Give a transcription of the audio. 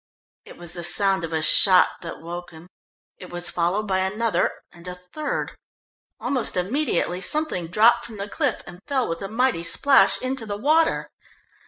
It was the sound of a shot that woke him. It was followed by another, and a third. Almost immediately something dropped from the cliff, and fell with a mighty splash into the water.